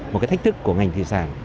một cái thách thức của ngành thủy sản